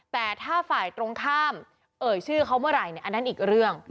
แต่ถ้าฝ่ายตรงข้ามเอ่ยชื่อเขาเมื่อไหร่อันนั้นอีกเรื่อง